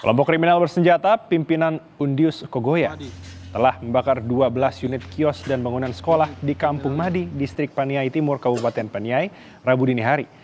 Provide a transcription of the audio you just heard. kelompok kriminal bersenjata pimpinan undirus kogoya telah membakar dua belas unit kios dan bangunan sekolah di kampung madi distrik paniai timur kabupaten paniai rabu dini hari